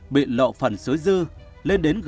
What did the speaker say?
bị lộ phần số dư lên đến gần hai mươi tỷ